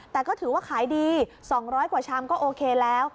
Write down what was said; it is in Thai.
แต่ก็ถือว่าขายดี๒๐๐กว่าชามก็โอเคแล้ว